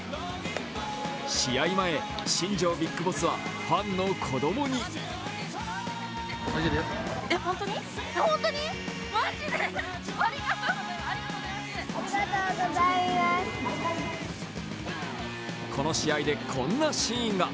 試合前、新庄ＢＩＧＢＯＳＳはファンの子供にこの試合でこんなシーンが。